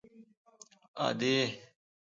_ادې!!!